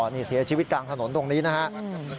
นี่เสียชีวิตกลางถนนตรงนี้นะครับ